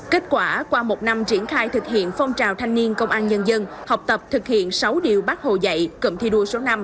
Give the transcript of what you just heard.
kết quả qua một năm triển khai thực hiện phong trào thanh niên công an nhân dân học tập thực hiện sáu điều bác hồ dạy cụm thi đua số năm